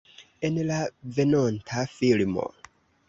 En la venonta filmo.